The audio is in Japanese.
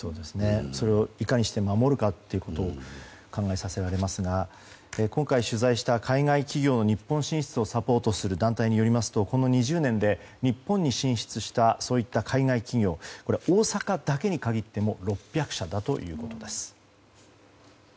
それをいかにして守るかということを考えさせられますが今回取材した海外企業の日本進出をサポートする団体によりますとこの２０年で日本に進出したそういった海外企業大阪だけに限っても６００社だということです。